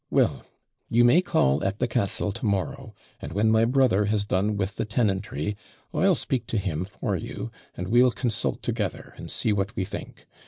Well, you may call at the castle to morrow, and when my brother has done with the tenantry, I'll speak to him FOR you, and we'll consult together, and see what we think.